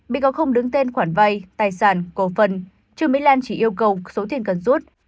bị cáo không đứng tên khoản vay tài sản cổ phần trương mỹ lan chỉ yêu cầu số tiền cần rút